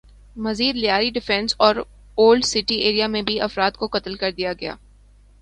مزید لیاری ڈیفنس اور old city area میں بھی افراد کو قتل کر دیا گیا